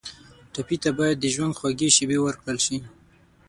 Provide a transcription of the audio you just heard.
ټپي ته باید د ژوند خوږې شېبې ورکړل شي.